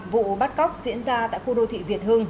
vụ bắt cóc diễn ra tại khu đô thị việt hưng